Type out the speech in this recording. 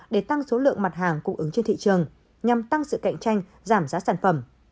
để tăng số lượng mặt hàng cung ứng trên thị trường nhằm tăng sự cạnh tranh giảm giá sản phẩm